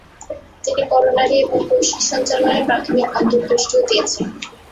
তিনি করোনারি এবং কৈশিক সঞ্চালনের প্রাথমিক অন্তর্দৃষ্টিও দিয়েছেন।